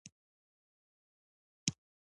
دواړه حالتونه بې ارزښته کېدل ښیې.